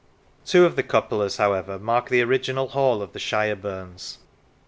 Two of the cupolas, however, mark the original Hall of the Shireburnes.